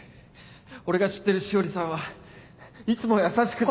俺が知ってる詩織さんはいつも優しくて。